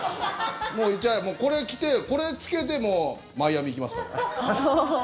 もうこれ着て、これ着けてマイアミ行きますから。